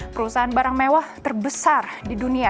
perusahaan barang mewah terbesar di dunia